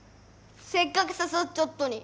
せっかく誘っちょっとに。